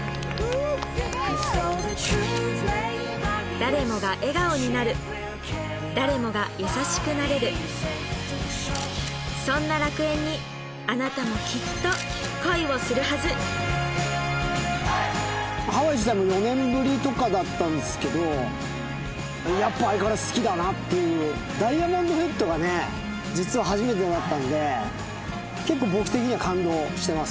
誰もが笑顔になる誰もが優しくなれるそんな楽園にあなたもきっと恋をするはずハワイ自体も４年ぶりとかだったんですけどやっぱ相変わらず好きだなっていうダイヤモンドヘッドがね実は初めてだったんで結構僕的には感動してます